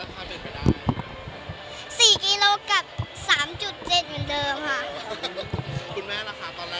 วันนั้นวิ่งไปกี่กิโลค่ะรู้หรือเปล่า